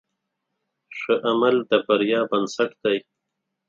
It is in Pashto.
ښه عمل د بریا بنسټ دی.